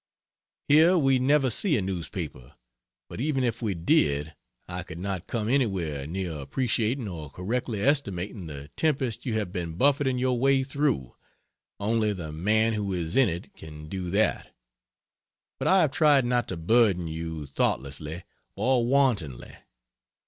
Here we never see a newspaper, but even if we did I could not come anywhere near appreciating or correctly estimating the tempest you have been buffeting your way through only the man who is in it can do that but I have tried not to burden you thoughtlessly or wantonly.